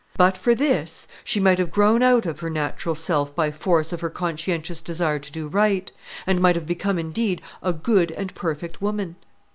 But for this, she might have grown out of her natural self by force of her conscientious desire to do right; and might have become, indeed, a good and perfect woman.